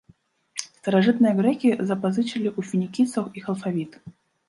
Старажытныя грэкі запазычылі ў фінікійцаў іх алфавіт.